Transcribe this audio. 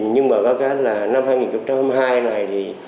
nhưng mà có cái là năm hai nghìn hai mươi hai này thì